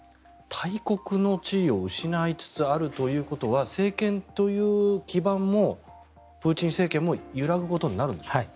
大国の地位を失いつつあるということは政権という基盤もプーチン政権も揺らぐことになるんでしょうか。